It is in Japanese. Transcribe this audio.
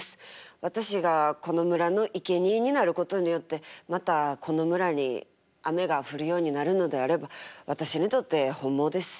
私がこの村のいけにえになることによってまたこの村に雨が降るようになるのであれば私にとって本望です。